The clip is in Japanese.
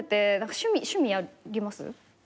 趣味あります？